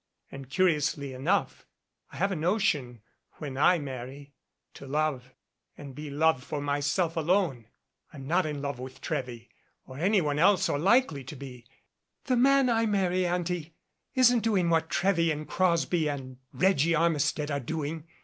And, curiously enough, I have a notion when I marry,, to love and be loved for myself alone. I'm not in love with Trewy or any one else or likely to be. The man I marry, Auntie, isn't doing what Trewy and Crosby and Reggie Armistead are doing.